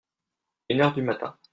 Une heure du matin.